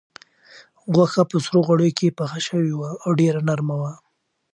غوښه په سرو غوړیو کې پخه شوې وه او ډېره نرمه وه.